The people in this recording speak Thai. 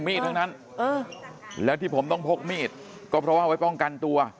ทั้งนั้นแล้วที่ผมต้องพกมีดก็เพราะว่าไว้ป้องกันตัว